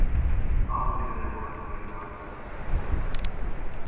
Ал жерде мажоритардык система.